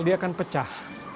dia akan pecah